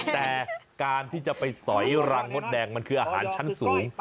แต่การที่จะไปสอยรังมดแดงมันคืออาหารชั้นสูง